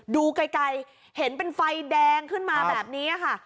ดูไกลเห็นเป็นไฟแดงขึ้นมาแบบนี้ค่ะ